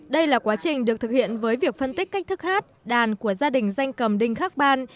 đây là quá trình được thực hiện với việc phân tích cách thức hát đàn của gia đình danh cầm đinh khắc ban